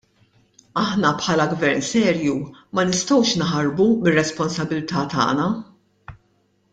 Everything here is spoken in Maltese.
Aħna bħala gvern serju ma nistgħux naħarbu mir-responsabbilta' tagħna.